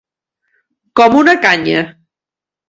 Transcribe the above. Com una canya.